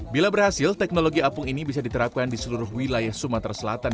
bila berhasil teknologi apung ini bisa diterapkan di seluruh wilayah sumatera selatan